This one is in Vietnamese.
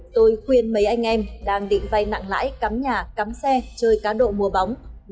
tôi khuyên mấy anh em đang định vay nặng lãi cắm nhà cắm xe chơi cá độ mùa bóng nên bỏ đi